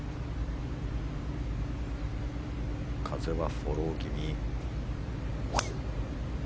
風はフォロー気味。